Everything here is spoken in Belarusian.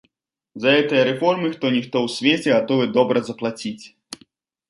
За гэтыя рэформы хто-ніхто ў свеце гатовы добра заплаціць.